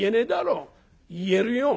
「言えるよ」。